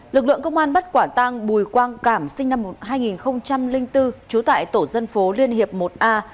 lực lượng công an bắt quả tang bùi quang cảm sinh năm hai nghìn bốn trú tại tổ dân phố liên hiệp một a